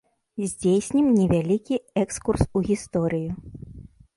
Здзейснім невялікі экскурс у гісторыю.